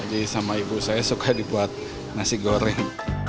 jadi sama ibu saya suka dibuat nasi goreng